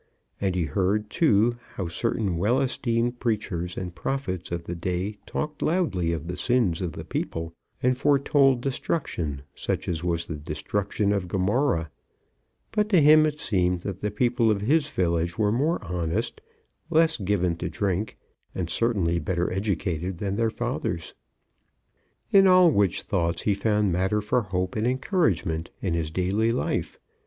And he heard, too, how certain well esteemed preachers and prophets of the day talked loudly of the sins of the people, and foretold destruction such as was the destruction of Gomorrah; but to him it seemed that the people of his village were more honest, less given to drink, and certainly better educated than their fathers. In all which thoughts he found matter for hope and encouragement in his daily life.